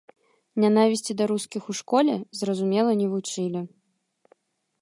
Нянавісці да рускіх у школе, зразумела, не вучылі.